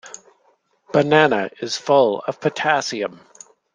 Banana is full of potassium.